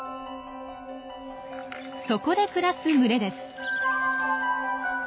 そこで暮らす群れです。